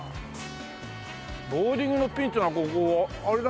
ボウリングのピンっていうのはあれ何？